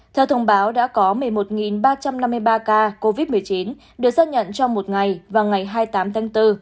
theo thông báo đã có một mươi một ba trăm năm mươi ba ca covid một mươi chín được xác nhận trong một ngày vào ngày hai mươi tám tháng bốn